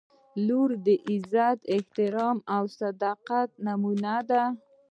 • لور د عزت، احترام او صداقت نمونه ده.